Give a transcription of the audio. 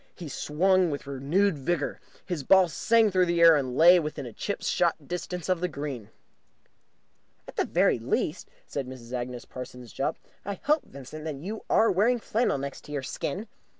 He swung with renewed vigour. His ball sang through the air, and lay within chip shot distance of the green. "At the very least," said Mrs. Agnes Parsons Jopp, "I hope, Vincent, that you are wearing flannel next your skin."